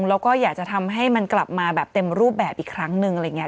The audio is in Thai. แล้วก็อยากจะทำให้มันกลับมาแบบเต็มรูปแบบอีกครั้งหนึ่งอะไรอย่างนี้